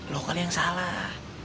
lo kali yang salah